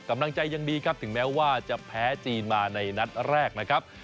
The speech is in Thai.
กำลังใจยังดีครับถึงแม้ว่าจะแพ้จีนมาในนัดแรกนะครับ